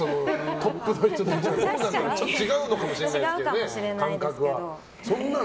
トップの人は違うかもしれないですよ、感覚は。